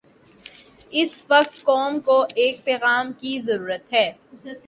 اس وقت قوم کو ایک پیغام کی ضرورت ہے۔